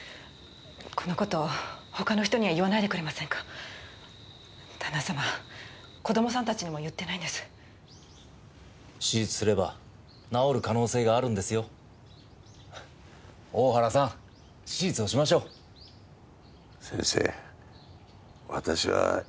このことほかの人には言わないでくれませんか旦那さま子どもさんたちにも言ってないんです手術すれば治る可能性がある大原さん手術をしましょう先生私はいいんです